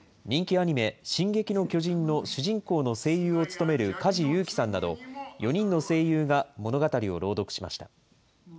人気アニメ、進撃の巨人の主人公の声優を務める梶裕貴さんなど、４人の声優が物語を朗読しました。